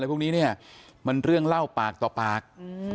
ทีทีทีแทนแล้วพรุ่งนี้มันเรื่องเล่าปากต่อปาก